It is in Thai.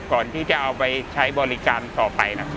ก่อนที่จะเอาไปใช้บริการต่อไปนะครับ